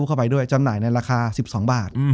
จบการโรงแรมจบการโรงแรม